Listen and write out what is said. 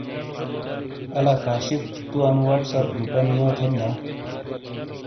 الا کاشف تو انو واٹس اپ گروپانی یو تھیم دا؟